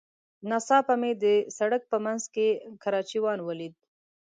ناڅاپه مې د سړک په منځ کې کراچيوان وليد.